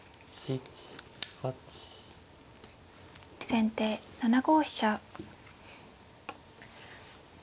先手７五飛車。